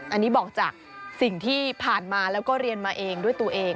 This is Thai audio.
อันนี้บอกจากสิ่งที่ผ่านมาแล้วก็เรียนมาเองด้วยตัวเอง